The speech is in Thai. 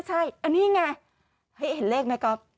ใช่อันนี้ไงเฮ้ยเห็นเลขไหมก๊อฟ